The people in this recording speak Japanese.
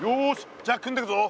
じゃあ組んでくぞ。